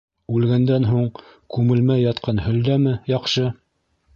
Үлгәндән һуң күмелмәй ятҡан һөлдәме яҡшы?